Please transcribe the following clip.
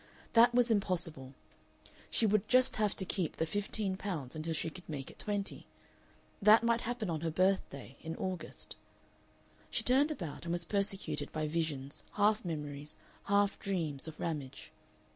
That was impossible. She would have just to keep the fifteen pounds until she could make it twenty. That might happen on her birthday in August. She turned about, and was persecuted by visions, half memories, half dreams, of Ramage.